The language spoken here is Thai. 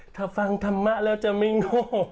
ถ้าฟังธรรมะแล้วจะไม่โง่